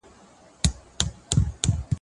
زه به سبا د ښوونځي کتابونه مطالعه کوم!؟